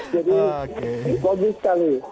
jadi bagus sekali